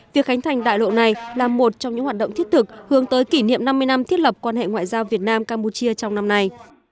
việc khánh thành đại lộ này là một trong những hoạt động thiết thực hướng tới kỷ niệm năm mươi năm thiết lập quan hệ ngoại giao việt nam campuchia trong năm nay